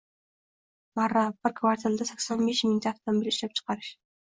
Marra – bir kvartalda sakson besh mingta avtomobil ishlab chiqarish.